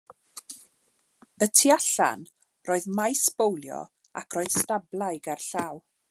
Y tu allan, roedd maes bowlio ac roedd stablau gerllaw.